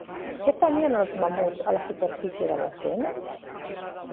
Què tenien els mamuts a la superfície de les dents?